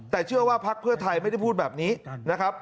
แต่เชื่อว่าพักเพื่อไทยไม่ได้พูดแบบนี้นะครับ